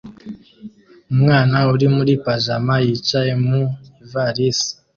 Umwana uri muri pajama yicaye mu ivarisi